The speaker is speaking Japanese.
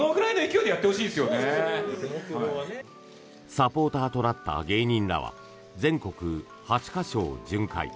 サポーターとなった芸人らは全国８か所を巡回。